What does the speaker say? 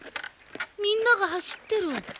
みんなが走ってる！